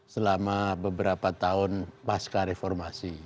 selama beberapa tahun pasca reformasi